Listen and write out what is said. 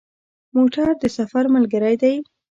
موټر د سفر ملګری دی.